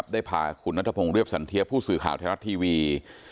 ได้พาคุณนัทพงศ์เรียบสันเทียผู้สื่อข่าวไทยรัฐทีวี